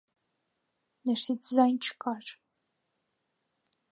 Ներսից ձայն չկար: